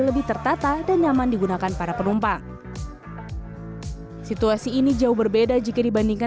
dan lebih tertata dan nyaman digunakan para penumpang situasi ini jauh berbeda jika dibandingkan